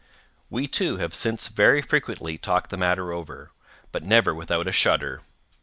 We two have since very frequently talked the matter over—but never without a shudder.